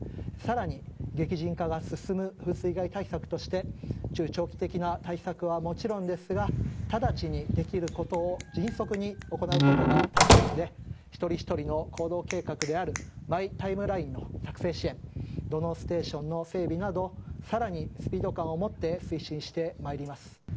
さらに激甚化が進む風水害対策として中長期的な対策はもちろんですが直ちにできる事を迅速に行う事が大切で一人ひとりの行動計画であるマイ・タイムラインの作成支援土のうステーションの整備などさらにスピード感を持って推進してまいります。